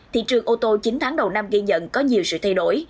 thị trường ô tô chín tháng đầu năm ghi nhận có nhiều sự thay đổi